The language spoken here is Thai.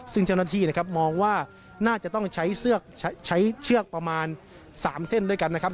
ซึ่งเจ้าหน้าที่นะครับมองว่าน่าจะต้องใช้เชือกประมาณ๓เส้นด้วยกันนะครับ